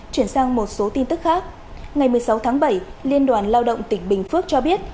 chuyển sang một số tin tức khác ngày một mươi sáu tháng bảy liên đoàn lao động tỉnh bình phước cho biết